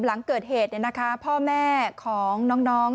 หลังเกิดเหตุพ่อแม่ของน้อง